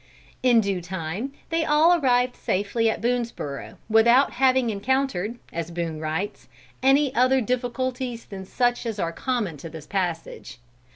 In due time they all arrived safely at Boonesborough "without having encountered," as Boone writes, "any other difficulties than such as are common to this passage."